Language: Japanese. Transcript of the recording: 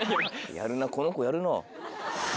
やるなこの子やるな。